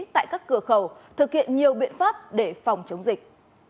tại các cửa khẩu thực hiện nhiều biện pháp để phòng chống dịch